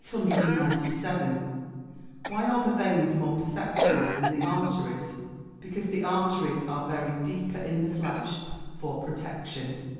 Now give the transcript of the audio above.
Why are the veins more perceptible than the arteries? Because the arteries are buried deeper in the flesh, for protection.